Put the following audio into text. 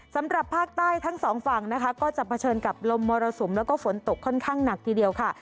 สำหรับภาคใต้ทั้งสองฝั่งนะคะก็จะเผชิญกับลมมรสุมแล้วก็ฝนตกค่อนข้างหนักทีเดียวค่ะ